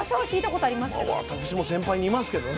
私も先輩にいますけどね。